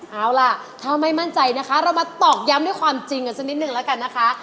เอาล่ะถ้าไม่มั่นใจนะคะเรามาตอกย้ำด้วยความจริงกันสักนิดนึงแล้วกันนะคะ